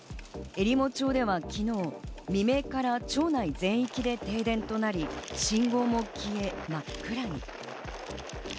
えりも町では昨日未明から町内全域で停電となり、信号も消え、真っ暗に。